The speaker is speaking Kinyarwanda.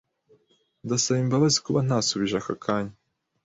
Ndasaba imbabazi kuba ntasubije ako kanya.